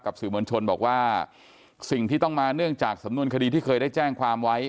สื่อมวลชนบอกว่าสิ่งที่ต้องมาเนื่องจากสำนวนคดีที่เคยได้แจ้งความไว้